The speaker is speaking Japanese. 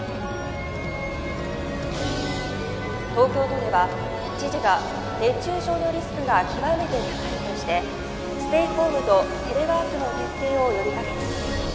「東京都では知事が熱中症のリスクが極めて高いとしてステイホームとテレワークの徹底を呼びかけています。